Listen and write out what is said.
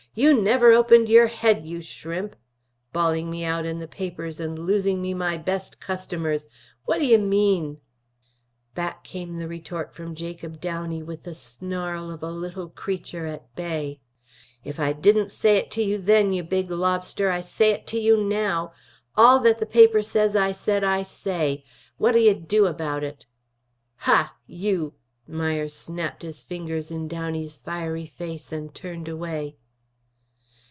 "You never opened your head, you shrimp! Bawling me out in the papers and losing me my best customers! Whaddye mean?" Back came the retort from Jacob Downey with the snarl of a little creature at bay. "If I didn't say it to you then, you big lobster, I say it to you now. All that the paper says I said I say. What'll you do about it?" "Hah! You!" Myers snapped his fingers in Downey's fiery face and turned away.